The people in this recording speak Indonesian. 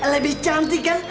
lebih cantik kan